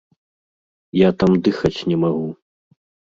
Я там дыхаць не магу.